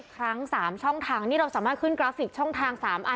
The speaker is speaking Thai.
ครั้ง๓ช่องทางนี่เราสามารถขึ้นกราฟิกช่องทาง๓อัน